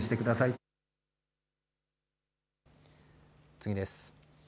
次です。